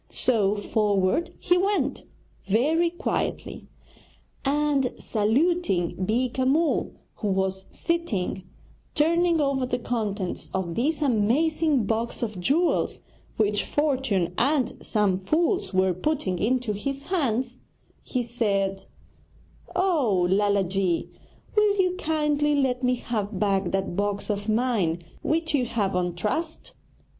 So forward he went, very quietly, and saluting Beeka Mull, who was sitting turning over the contents of this amazing box of jewels which fortune and some fools were putting into his care, he said: 'Oh, Lala ji, will you kindly let me have back that box of mine which you have on trust?'